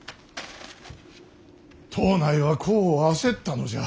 藤内は功を焦ったのじゃ。